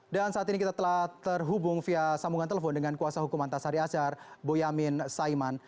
dan saat ini kita telah terhubung via sambungan telepon dengan kuasa hukum antasari asyar boyamin saiman